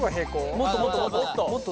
もっともっともっともっと。